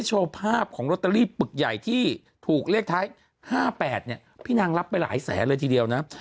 โชว์ภาพของลอตเตอรี่ปึกใหญ่ที่ถูกเลขท้าย๕๘เนี่ยพี่นางรับไปหลายแสนเลยทีเดียวนะ